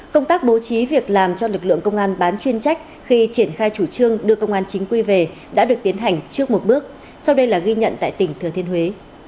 công tác bố trí việc làm cho lực lượng công an bán chuyên trách khi triển khai chủ trương đưa công an chính quy về đã được tiến hành trước một bước sau đây là ghi nhận tại tỉnh thừa thiên huế